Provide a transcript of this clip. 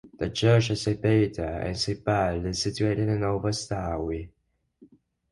The Church of St Peter and St Paul is situated in Over Stowey.